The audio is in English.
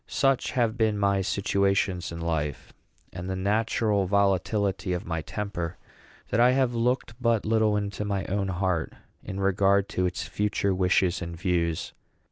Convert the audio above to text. Such have been my situations in life, and the natural volatility of my temper, that I have looked but little into my own heart in regard to its future wishes and views.